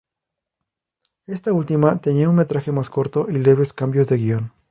Esta última tenía un metraje más corto y leves cambios de guión.